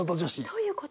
どういう事？